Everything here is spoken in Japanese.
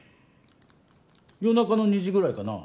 夜中の２時ぐらいかな。